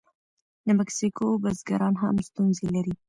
د مکسیکو بزګران هم ستونزې لري.